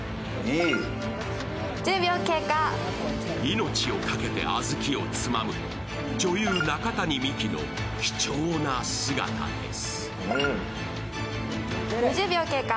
命をかけて小豆をつまむ女優・中谷美紀の貴重な姿です。